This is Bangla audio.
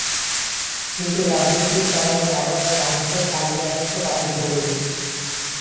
কিন্তু রাজনৈতিক কারণে আবার ফ্রান্সে পালিয়ে আসতে বাধ্য হলেন।